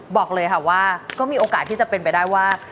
บอกเลยค่ะว่าก็มีโอกาสที่จะเป็นไปได้ว่า